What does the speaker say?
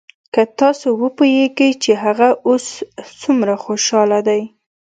که تاسو وپويېګئ چې هغه اوس سومره خوشاله دى.